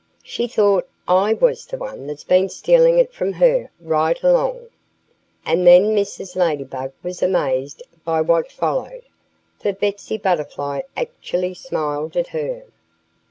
She thought I was the one that's been stealing it from her, right along." And then Mrs. Ladybug was amazed by what followed. For Betsy Butterfly actually smiled at her.